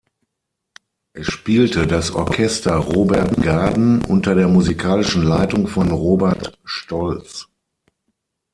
Es spielte das Orchester Robert Gaden unter der musikalischen Leitung von Robert Stolz.